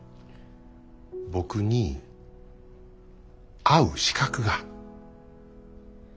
僕に会う資格がない。